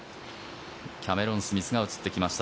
キャメロン・スミスが映ってきました。